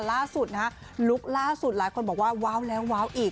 ล่าสุดนะฮะลุคล่าสุดหลายคนบอกว่าว้าวแล้วว้าวอีก